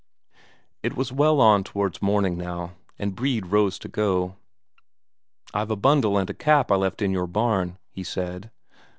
It was well on towards morning now, and Brede rose to go. "I've a bundle and a cap I left in your barn," he said.